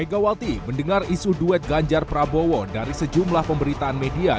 megawati mendengar isu duet ganjar prabowo dari sejumlah pemberitaan media